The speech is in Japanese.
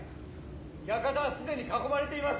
館は既に囲まれています！